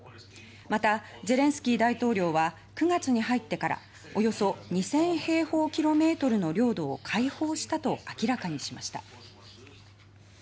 また、ゼレンスキー大統領は９月に入ってからおよそ２０００平方キロメートルの領土を解放したと明らかにしました。